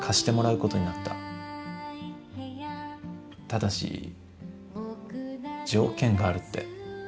ただし条件があるって。